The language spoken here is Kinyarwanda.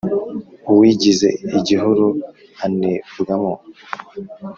Uwigize igihuru anebwamo.